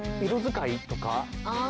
色使いとか？